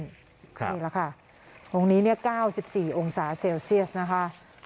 ค่ะนี่แหละค่ะตรงนี้เนี่ยเก้าสิบสี่องศาเซลเซียสนะคะ